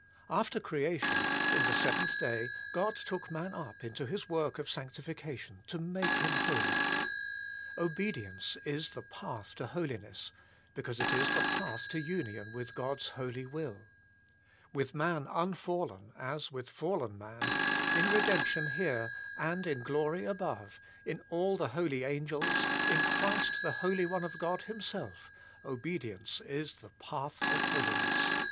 After creation, in the seventh day, God took man up into His work of sanctification to make him holy. Obedience is the path to holiness, because it is the path to union with God's holy will ; with man un fallen, as with fallen man, in redemption here and in glory above, in all the holy angels, in Christ the Holy One of God Himself, obedience is the path of holiness.